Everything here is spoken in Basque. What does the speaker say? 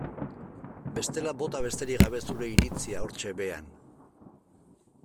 Bestela bota besterik gabe zure iritzia hortxe behean.